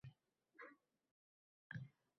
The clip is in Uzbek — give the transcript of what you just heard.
Shular yurt kelajagi bo‘ladimi?»